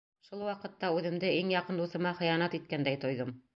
Шул ваҡытта үҙемде иң яҡын дуҫыма хыянат иткәндәй тойҙом.